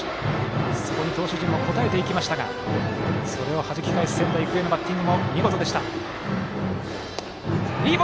そこに投手陣も応えていきましたがそれをはじき返す、仙台育英のバッティングも見事でした。